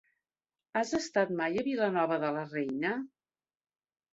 Has estat mai a Vilanova de la Reina?